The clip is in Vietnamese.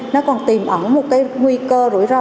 nó còn tìm ẩn một nguy cơ rủi ro